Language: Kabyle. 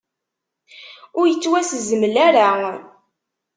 Ur yettwasezmel ara.